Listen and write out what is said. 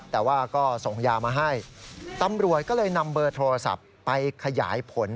แต่ว่าก็ส่งยามาให้ตำรวจก็เลยนำเบอร์โทรศัพท์ไปขยายผล